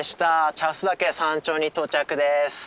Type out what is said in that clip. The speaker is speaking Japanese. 茶臼岳山頂に到着です。